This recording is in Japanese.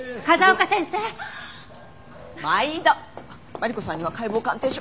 マリコさんには解剖鑑定書。